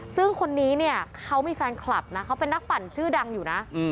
ซึ่งคนนี้เนี่ยเขามีแฟนคลับนะเขาเป็นนักปั่นชื่อดังอยู่นะ